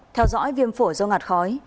theo dõi viêm phổi do ngạt khói